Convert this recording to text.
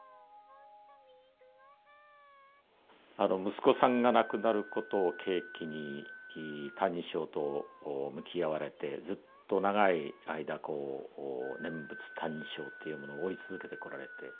息子さんが亡くなることを契機に「歎異抄」と向き合われてずっと長い間念仏「歎異抄」というものを追い続けてこられて。